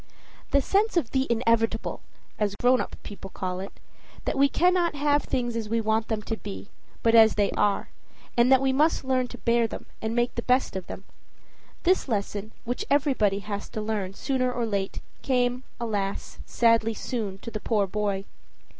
The sense of THE INEVITABLE, as grown up people call it that we cannot have things as we want them to be, but as they are, and that we must learn to bear them and make the best of them this lesson, which everybody has to learn soon or late came, alas! sadly soon, to the poor boy.